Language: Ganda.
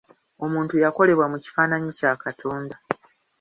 Omuntu yakolebwa mu kifaananyi kya Katonda.